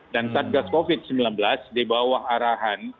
dan target covid sembilan belas di bawah arahan tiga t